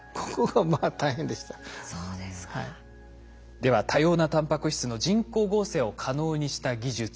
では多様なタンパク質の人工合成を可能にした技術。